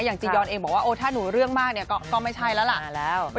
อย่างจียอนเองบอกว่าถ้าหนูเรื่องมากก็ไม่ใช่แล้วล่ะ